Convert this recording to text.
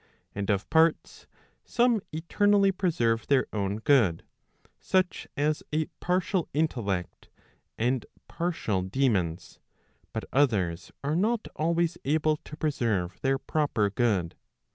And of parts, some eternally preserve their own good, such as a partial intellect, and partial daemons, but others are not always able to preserve their proper good.